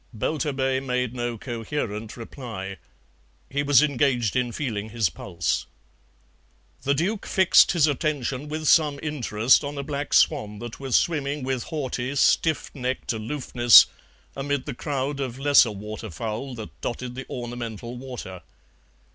Belturbet made no coherent reply; he was engaged in feeling his pulse. The Duke fixed his attention with some interest on a black swan that was swimming with haughty, stiff necked aloofness amid the crowd of lesser water fowl that dotted the ornamental water.